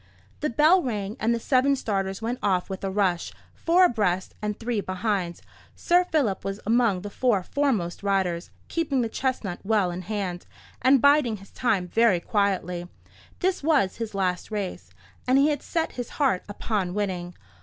The bell rang, and the seven starters went off with a rush; four abreast, and three behind. Sir Philip was among the four foremost riders, keeping the chestnut well in hand, and biding his time very quietly. This was his last race, and he had set his heart upon winning.